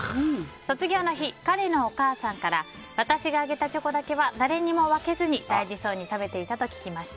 卒業の日、彼のお母さんから私があげたチョコだけは誰にも分けずに大事そうに食べていたと聞きました。